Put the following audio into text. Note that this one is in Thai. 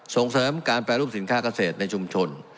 ส่งเสริมการแปรรูปสินค้าเกษตรในชุมชน